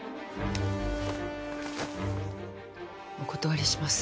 お断りします。